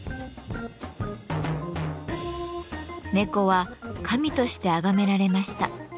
猫は神としてあがめられました。